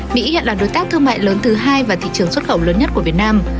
mỹ hiện là đối tác thương mại lớn thứ hai và thị trường xuất khẩu lớn nhất của việt nam